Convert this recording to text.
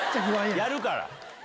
やるから！